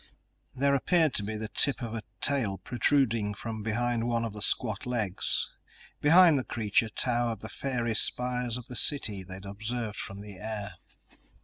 There appeared to be the tip of a tail protruding from behind one of the squat legs. Behind the creature towered the faery spires of the city they'd observed from the air.